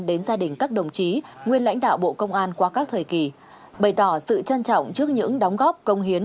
đến gia đình các đồng chí nguyên lãnh đạo bộ công an qua các thời kỳ bày tỏ sự trân trọng trước những đóng góp công hiến